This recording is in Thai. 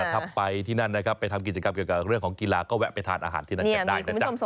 ถ้าไปที่นั่นนะครับไปทำกิจกรรมเกี่ยวกับเรื่องของกีฬาก็แวะไปทานอาหารที่นั่นกันได้นะจ๊ะ